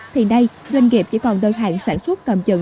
thì nay doanh nghiệp chỉ còn đơn hàng sản xuất cầm chừng